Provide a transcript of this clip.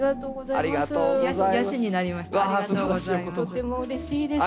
とてもうれしいです。